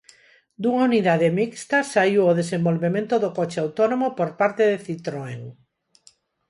Dunha unidade mixta saíu o desenvolvemento do coche autónomo por parte de Citroën.